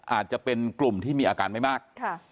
อาจจะเป็นกลุ่มที่มีอาการไม่มาก